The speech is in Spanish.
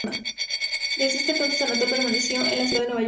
Desde ese entonces, Anatol permaneció en la ciudad de Nueva York.